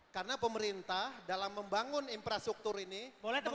karena pemerintah dalam membangun infrastruktur ini mengandalkan utang